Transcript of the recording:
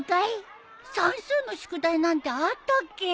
算数の宿題なんてあったっけ？